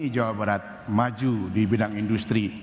jawa barat maju di bidang industri